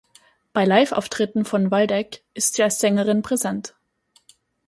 Bei Liveauftritten von Waldeck ist sie als Sängerin präsent.